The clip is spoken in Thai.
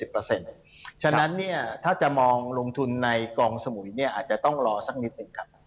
เพราะฉะนั้นถ้าจะมองลงทุนในกองสมุยอาจจะต้องรอสักนิดหนึ่งครับ